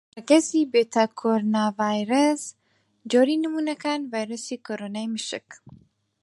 ڕەگەزی بێتاکۆڕوناڤایرەس: جۆری نموونەکان: ڤایرۆسی کۆڕۆنای مشک.